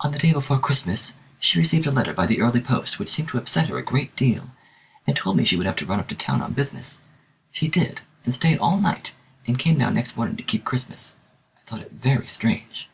On the day before Christmas she received a letter by the early post which seemed to upset her a great deal, and told me she would have to run up to town on business. She did, and stayed all night, and came down next morning to keep Christmas. I thought it very strange."